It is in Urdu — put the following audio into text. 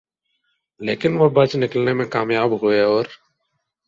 لیکن وہ بچ نکلنے میں کامیاب ہوئے اور